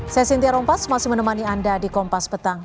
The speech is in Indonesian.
saya sintia rompas masih menemani anda di kompas petang